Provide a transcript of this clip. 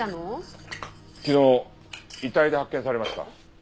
昨日遺体で発見されました。